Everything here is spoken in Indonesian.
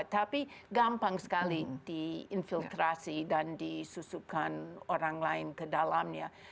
tapi gampang sekali diinfiltrasi dan disusupkan orang lain ke dalamnya